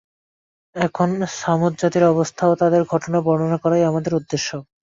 এখন ছামূদ জাতির অবস্থা ও তাদের ঘটনা বর্ণনা করাই আমাদের উদ্দেশ্য।